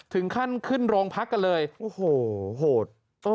ถึงขั้นขึ้นโรงพักกันเลยโอ้โหโหด